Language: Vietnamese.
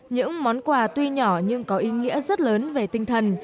những món quà tuy nhỏ nhưng có ý nghĩa rất lớn về tinh thần